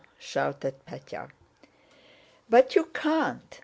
shouted Pétya. "But you can't.